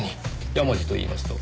山路といいますと？